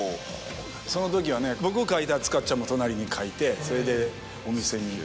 その時はね僕書いたら塚っちゃんも隣に書いてそれでお店に。